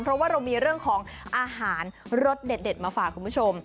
เพราะว่าเรามีเรื่องของอาหารรสเด็ดมาฝากคุณผู้ชม